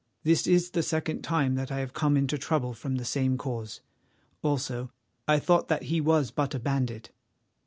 This is the second time that I have come into trouble from the same cause. Also, I thought that he was but a bandit."